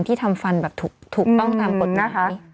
ที่ทำฟันแบบถูกต้องตามกฎหมาย